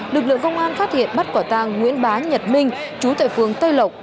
lực lượng công an phát hiện bắt quả tàng nguyễn bá nhật minh chú tại phường tây lộc